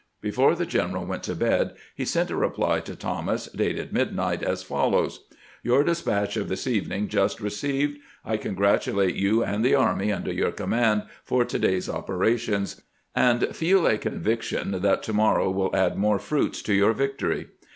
..." Before the general went to bed he sent a reply to Thomas, dated midnight, as follows :" Tour despatch of this evening just received. I congratulate you and the army under your command for to day's operations, and feel a conviction that to morrow will add more fruits to your victory."